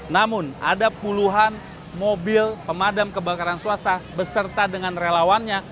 namun ada puluhan mobil pemadam kebakaran swasta beserta dengan relawannya